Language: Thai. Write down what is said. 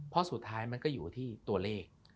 เพราะสุดท้ายมันก็อยู่ที่ตัวเลข